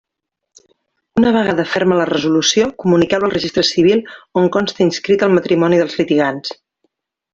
Una vegada ferma la resolució, comuniqueu-la al Registre Civil on conste inscrit el matrimoni dels litigants.